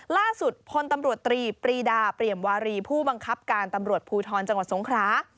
ล่าสุดพลตำรวจตรีปรีดาเปรียมวารีผู้บังคับการตำรวจภูทรจังหวัดสงครา